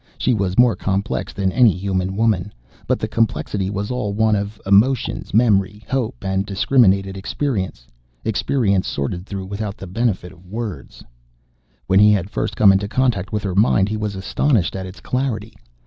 She was more complex than any human woman, but the complexity was all one of emotions, memory, hope and discriminated experience experience sorted through without benefit of words. When he had first come into contact with her mind, he was astonished at its clarity.